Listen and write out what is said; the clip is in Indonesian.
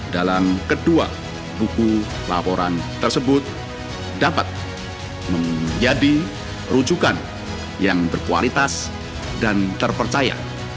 dalam kedua buku laporan tersebut dapat menjadi rujukan yang berkualitas dan terpercaya